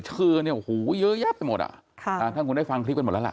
คือเนี่ยโหเยอะแยะไปหมดอ่ะค่ะถ้าคุณได้ฟังคลิปเป็นหมดแล้วล่ะ